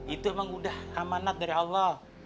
itu memang udah amanat dari allah